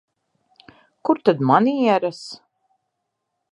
Kur tad manieres?